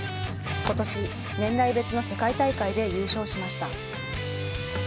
ことし、年代別の世界大会で優勝しました。